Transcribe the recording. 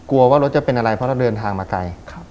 กลัวว่ารถจะเป็นอะไรเพราะเราเดินทางมาไกล